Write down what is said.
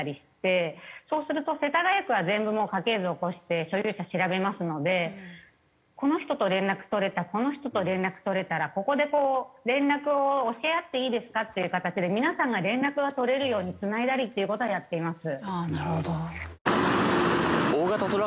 そうすると世田谷区は全部もう家系図起こして所有者調べますのでこの人と連絡取れたこの人と連絡取れたらここでこう連絡を教え合っていいですかっていう形で皆さんが連絡は取れるようにつないだりっていう事はやっています。